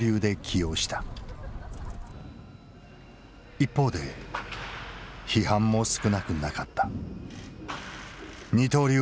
一方で批判も少なくなかった。